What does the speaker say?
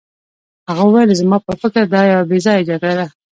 هغه وویل زما په فکر دا یوه بې ځایه جګړه ده.